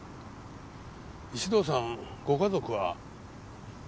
石堂さんご家族は？